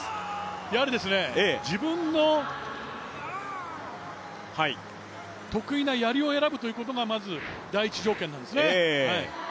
やはり自分の得意なやりを選ぶということが第一条件なんですね。